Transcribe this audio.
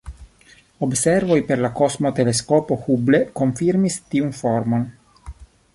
Observoj per la kosmoteleskopo Hubble konfirmis tiun formon.